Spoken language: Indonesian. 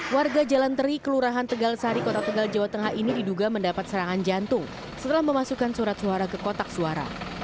warga jalan teri kelurahan tegal sari kota tegal jawa tengah ini diduga mendapat serangan jantung setelah memasukkan surat suara ke kotak suara